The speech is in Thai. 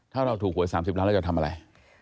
ถ้าเราถูกไว้๓๐ล้านแล้วก็ทำอะไร